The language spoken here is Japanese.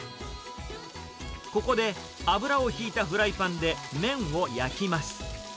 ここで、油を引いたフライパンで麺を焼きます。